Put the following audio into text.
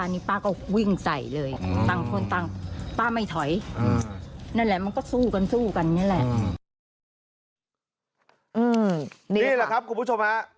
นี่แหละครับคุณผู้ชมฮะ